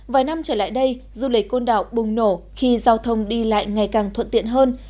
vài năm trở lại đây du lịch côn đảo bùng nổ khi giao thông đi lại ngày càng thuận tiện hơn